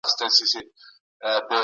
د ابن خلدون نظريات څه وو؟